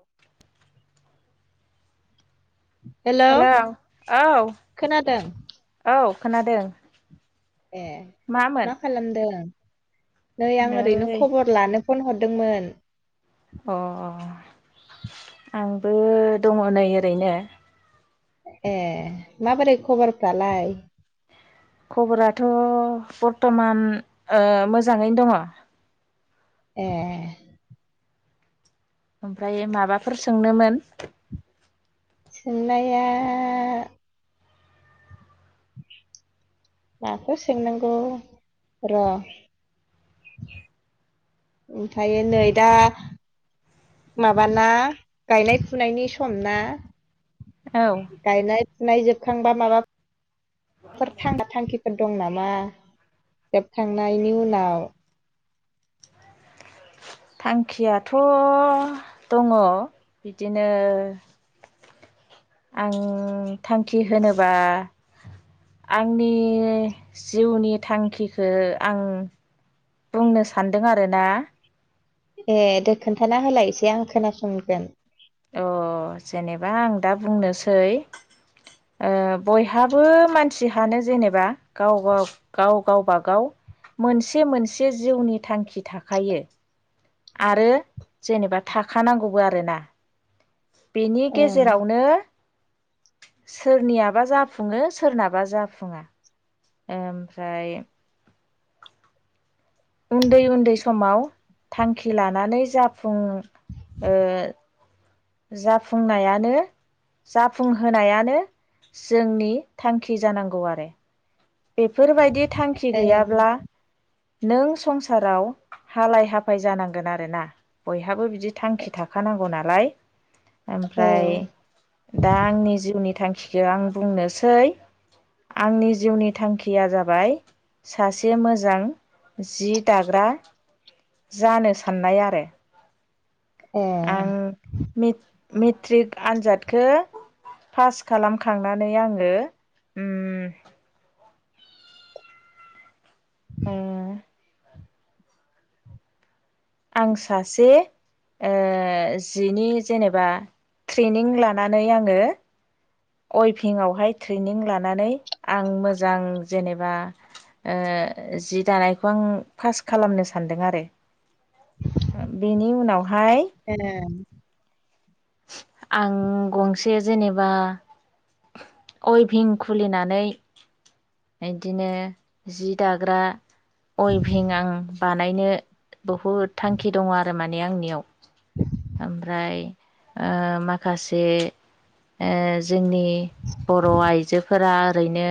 औ औ खोनादों हेलौ हेल औ खोनादों औ खोनादों ए मामोन मा खालामदों नै आं ओरैनो खबर लानो फन हरदोंमोन अ आंबो दङ नै ओरैनो ए माबोरै खबरफ्रालाय खबराथ बरथमान मोजाङैनो दङ ए ओमफ्राय माबाफोर सोंनोमोन सोंनाया [inaudible] माखौ सोंनांगौ र ओमफ्राय नै दा माबाना गायनाय फुनायनि सम ना औ गायनाय फुनाय जोबखांबा माबा माबाफोर थाङना थांखिफोर दं नामा जोबखांनायनि उनाव थांखियाथ दङ बिदिनो आं थांखि होनोबा आंनि जिउनि थांखिखौ आं बुंनो सानदों आरो ना ए दे खोन्थाना होलाय एसे आं खोनासंगोन अ जेनेबा आं दा बुंनोसै बयहाबो मानसि हानो जेनेबा गाव-गाव-गाव गावबागाव मोनसे मोनसे जिउनि थांखि थाखायो आरो जेनेबा थाखानांगौबो आरोना बेनि ओं गेजेरावनो सोरनियाबा जाफुङो सोरनाबा जाफुङा ओमफ्राय उन्दै-उन्दै समाव थांखि लानानै जाफुं ओ जाफुंनायानो जाफुंहोनायानो जोंनि थांखि जानांगौ आरो बेफोरबायदि थांखि गैयाब्ला नों संसाराव हालाय हाफाय जानांगोन आरोना बयहाबो बिदि थांखि थाखानांगौ नालाय ओमफ्राय ओं दा आंनि जिउनि थांखि आं बुंनोसै आंनि जिउनि थांखिया जाबाय सासे मोजां जि दाग्रा जानो साननाय आरो ए आं मेट्रिक आन्जादखो पास खालामखांनानै आङो ओम [inaudible] आं सासे ओ जिनि जेनेबा ट्रेनिं लानानै आङो अइभिंआवहाय ट्रेनिं लानानै आं मोजां जेनेबा जि दानायखौ आं पास खालामनो सान्दों आरो बेनि उनाव ए आं गंसे जेनेबा अइभिं खुलिनानै बिदिनो जि दाग्रा अइभिं आं बानायनो बहुद थांखि दङ आरो माने आंनियाव ओमफ्राय ओ माखासे ओ जोंनि बर' आइजोफोरा ओरैनो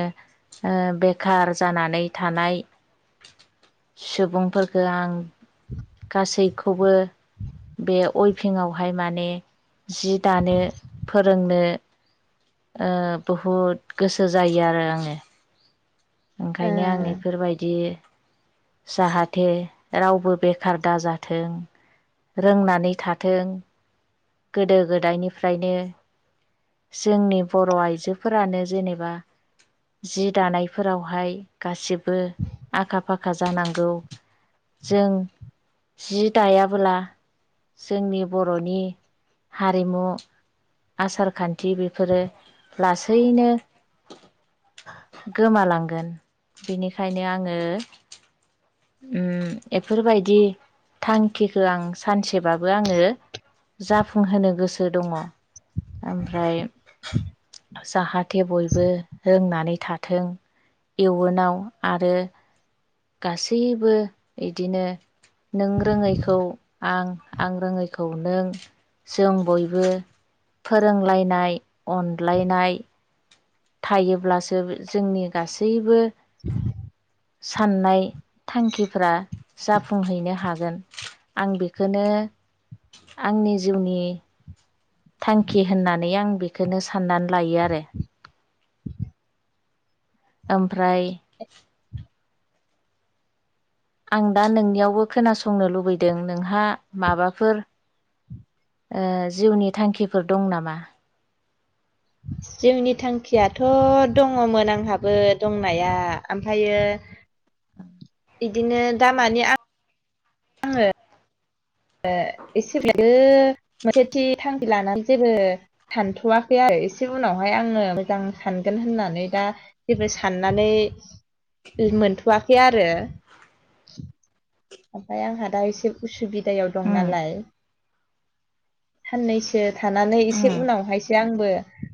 ओ बेखार जानानै थानाय सुबुंफोरखो आं गासैखौबो बे अइभिंआवहाय माने जि दानो फोरोंनो ओ बहुद गोसो जायो आरो आङो ओ ओंखायनो आं बेफोरबायदि जाहाथे रावबो बेखार दाजाथों रोंनानै थाथों गोदो गोदायनिफ्रायनो जोंनि बर' आइजोफोरानो जेनेबा जि दानायफोरावहाय गासिबो आखा फाखा जानांगौ जों जि दायाबोला जोंनि बर'नि हारिमु आसार खान्थि बेफोरो लासैनो गोमालांगोन बिनिखायनो आङो उम एफोरबायदि थांखिखौ आं सानसेबाबो आङो जाफुंहोनो गोसो दङ ओमफ्राय जाहाथे बयबो रोंनानै थाथों इयुनाव आरो गासैबो इदिनो नों रोङैखौ आं-आं रोङैखौ नों जों बयबो फोरोंलायनाय अनलायनाय थायोब्लासो जोंनि गासैबो [inaudible] साननाय थांखिफोरा जाफुंहैनो हागोन। आं बेखौनो आंनि जिउनि थांखि होननानै आं बेखोनो साननानै लायो आरो। ओमफ्राय आं दा नोंनियावबो खोनासंनो लुबैदों नोंहा माबाफोर ओ जिउनि थांखिफोर दं नामा? जिउनि थांखियाथ' दङ'मोन आंहाबो दंनाया ओमफ्रायो [inaudible] बिदिनो दामानि आं आङो ओ एसेब्लाबो मोनसे थि थांखि लानानै जेबो सानथ'वाखै आरो एसे उनावहाय आङो मोजां सानगोन होननानै दा जेबो साननानै मोनथ'वाखै आरो। ओमफाय आंहा दा एसे उसुबिदायाव दं उम नालाय साननैसो थानानै उम एसे उनावहायसो आंबो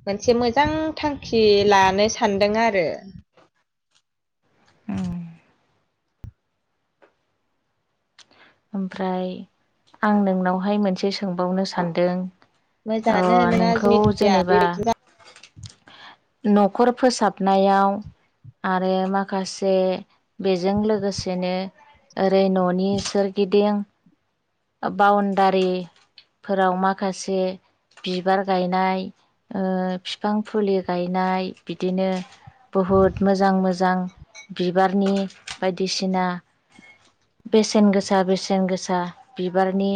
मोनसे मोजां थांखि लानो सानदों आरो। उम ओमफ्राय आं नोंनावहाय मोनसे सोंबावनो सानदों अ मोजाङानो नोंना नोंखौ जोंनि थांखिया जेनेबा बेबायदिनो न'खर फोसाबनायाव आरो माखासे बेजों लोगोसेनो ओरै न'नि सोरगिदिं ओ बाउन्डारि फोराव माखासे बिबार गायनाय ओ फिफां फुलि गायनाय बिदिनो बुहुद मोजां मोजां बिबारनि बायदिसिना बेसेन गोसा बेसेन गोसा बिबारनि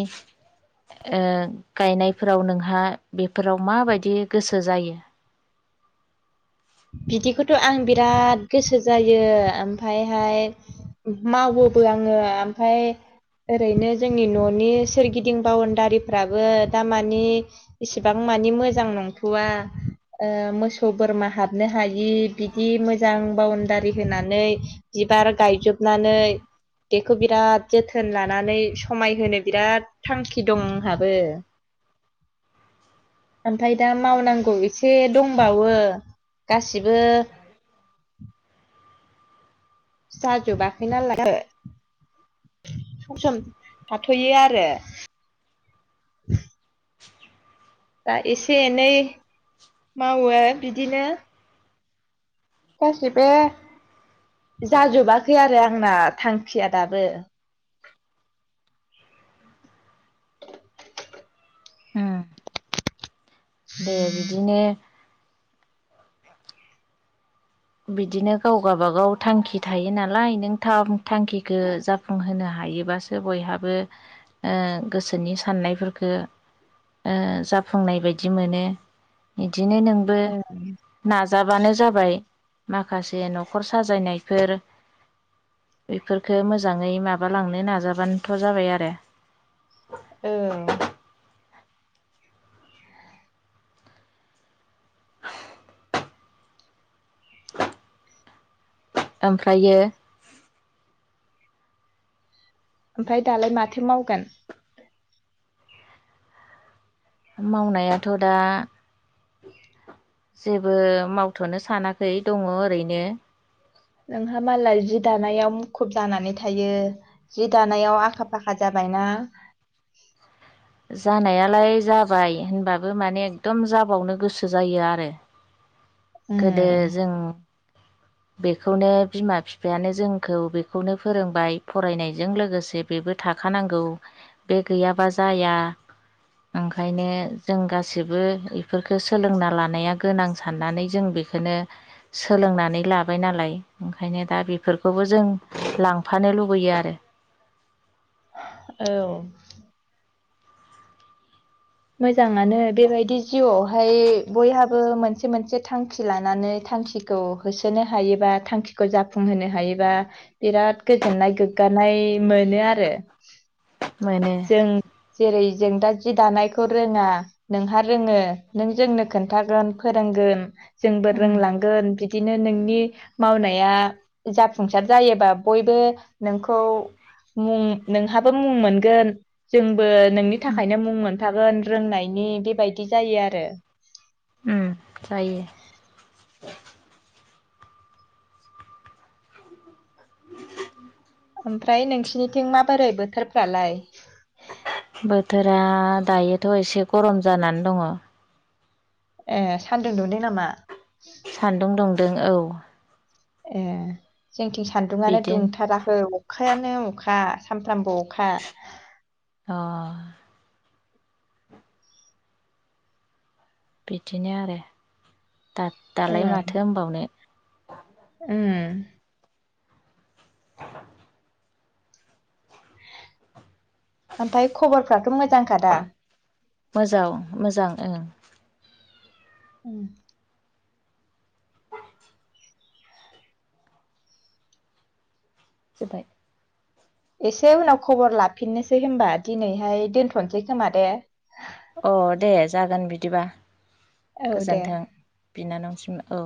ओ गायनायफोराव नोंहा बेफोराव माबायदि गोसो जायो? बिदिखौथ' आं बिराद गोसो जायो ओमफायहाय मावोबो आङो ओमफाय ओरैनो जोंनि न'नि सोरगिदिं बाउणडारिफ्राबो दा मानि इसेबां मानि मोजां नंथ'वा ओ मोसौ बोरमा हाब हाबनो हायि बिदि मोजां बाउणडारि होनानै बिबार गायजोबनानै बेखौ बिराद जोथोन लानानै समायहोनो बिराद थांखि दं आंहाबो ओमफाय दा मावनांगौ एसे दंबावो। गासिबो साजुबाखैना नालाय सम सम थाथ'यो आरो। दा एसे एनै मावो बिदिनो [unintelligible] जाजोबाखै आरो आंना थांखिया दाबो। [inaudible] दे बिदिनो बिदिनो गाव गाबागाव थांखि थायो नालाय नों थांखिखौ जाफुंहोनो हाग हायोबासो बयहाबो ओ गोसोनि साननायफोरखो ओ जाफुंनाय बायदि मोनो। दिनो नोंबो औ नाजाबानो जाबाय माखासे न'खर साजायनायफोर बेफोरखो मोजाङै माबालांनो नाजाबानोथ' जाबाय आरो औ ओमफ्रायो ओमफाय दालाय माथो मावगोन मावनायाथ' दा जेबो मावथ'नो सानाखै दङ ओरैनो नोंहा मालाय जि दानायाव मुखुब जानानै थायो जि दानायाव आखा फाखा जाबाय बायना जानायालाय जाबाय होनबाबो माने एकदम जाबावनो गोसो जायो आरो [inaudible] गोदो उम जों [inaudible] बेखौनो बिमा बिफायानो जोंखौ बेखौनो फोरोंबाय फरायनायजों लोगोसे बेबो था खानांगौ बे गैयाबा जाया ओंखायनो जों गासिबो बेफोरखौ सोलोंना लानाया गोनां साननानै जों बे बेखोनो सोलोंनानै लाबाय नालाय ओंखायनो दा बेफोरखौबो जों लांफा नो लुबैयो आरो औ मोजाङानो बेबायदि जिउआवहाय बयहाबो मोनसे मोनसे थांखि लानानै थांखिखौ होसोनो हायोबा थांखिखौ जाफुंहोनो हायोबा बिराद गोजोननाय गोग्गा नाय मोनो आरो मोनो जों जेरै जों दा जि दानाय खौ रोङा नोंहा रोङो नों जोंनो खोन्थागोन फोरोंगोन जोंबो उम रोंलांगोन बि दिनो नोंनि मावनाया जाफुंसार जायोबा बयबो नोंखौ मुं नोंहाबो मुं मोनगोन जोंबो नोंनि थाखायनो मुं मोन फागोन रोंनायनि बेबायदि जायो आरो उम जायो ओमफ्राय नोंसिनिथिं माबोरै बोथोरफ्रालाय बोथोरा दायोथ' एसे गरम जानानै दङ ए सान्दुं दुंदों नामा सान्दुं दुंदों औ ए जोंथिं सान्दुङानो बिदिनो दुंथाराखै अखायानो अखा सामफ्रामबो अखा अ बिदिनो आरो दा दालाय ओं माथो होनबावनो उम ओमफाय खबरफ्राथ' मोजांखादा मोजां मोजां ओं उम जोबबाय एसे उनाव खबर लाफिननोसै होनबा दिनैहाय दोनथ'सै खोमा दे अ दे जागोन बिदिबा औ दे। गोजोन्थों बिनानाव सिम औ